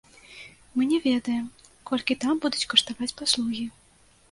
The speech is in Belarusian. Мы не ведаем, колькі там будуць каштаваць паслугі.